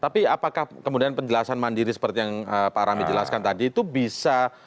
tapi apakah kemudian penjelasan mandiri seperti yang pak rami jelaskan tadi itu bisa